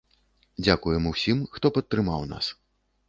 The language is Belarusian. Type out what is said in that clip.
Дзякуем усім, хто падтрымаў нас.